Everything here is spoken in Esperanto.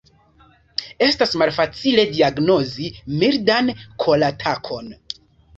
Estas malfacile diagnozi mildan koratakon.